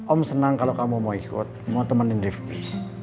om senang kalau kamu mau ikut mau temenin divi